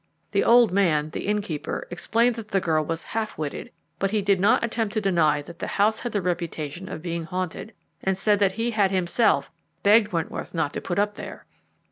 The old man, the innkeeper, explained that the girl was half witted, but he did not attempt to deny that the house had the reputation of being haunted, and said that he had himself begged Wentworth not to put up there.